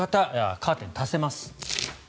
カーテン、足せます。